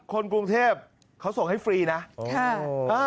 คนกรุงเทพเขาส่งให้ฟรีนะ